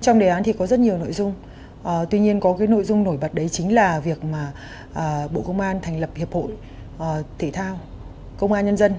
trong đề án thì có rất nhiều nội dung tuy nhiên có cái nội dung nổi bật đấy chính là việc mà bộ công an thành lập hiệp hội thể thao công an nhân dân